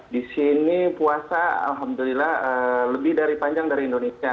di sini puasa alhamdulillah lebih dari panjang dari indonesia